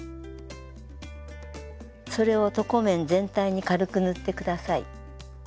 それを床面全体に軽く塗って下さい。